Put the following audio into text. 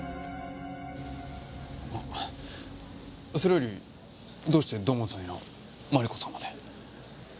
それよりどうして土門さんやマリコさんまで？